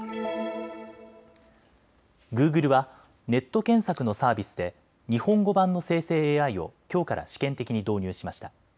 グーグルはネット検索のサービスで日本語版の生成ＡＩをきょうから試験的に導入しました。